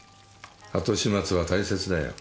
後始末は大切だよ。